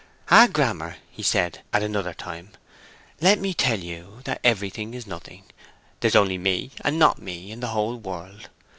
'Ah, Grammer,' he said, at another time, 'let me tell you that Everything is Nothing. There's only Me and not Me in the whole world.